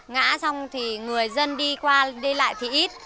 ngã xong thì người dân đi qua đi lại thì ít